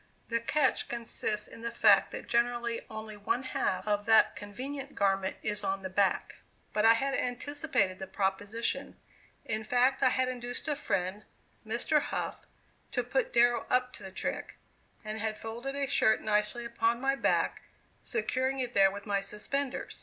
The catch consists in the fact that generally only one half of that convenient garment is on the back; but I had anticipated the proposition in fact I had induced a friend, Mr. Hough, to put Darrow up to the trick, and had folded a shirt nicely upon my back, securing it there with my suspenders.